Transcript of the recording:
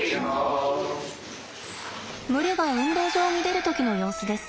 群れが運動場に出る時の様子です。